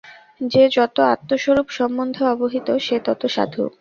যে যত আত্মস্বরূপ সম্বন্ধে অবহিত, সে তত সাধু।